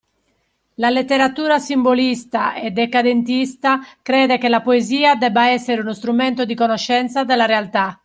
La letteratura simbolista e decadentista crede che la poesia debba essere uno strumento di conoscenza della realtà